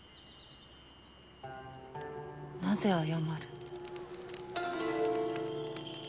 なぜ謝る？